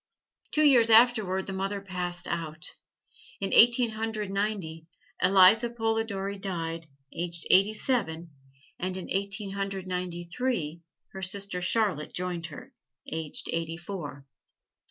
Two years afterward the mother passed out; in Eighteen Hundred Ninety, Eliza Polidori died, aged eighty seven; and in Eighteen Hundred Ninety three, her sister Charlotte joined her, aged eighty four.